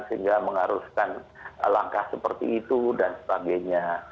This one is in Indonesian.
sehingga mengharuskan langkah seperti itu dan sebagainya